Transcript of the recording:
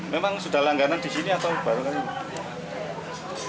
memang sudah langganan di sini atau baru lagi